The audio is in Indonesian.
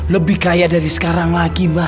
lebih kaya dari sekarang lagi mbak